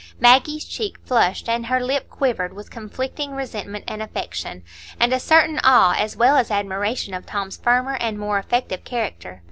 Maggie's cheek flushed and her lip quivered with conflicting resentment and affection, and a certain awe as well as admiration of Tom's firmer and more effective character.